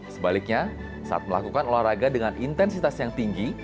sebaliknya saat melakukan olahraga dengan intensitas yang tinggi